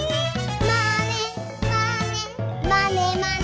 「まねまねまねまね」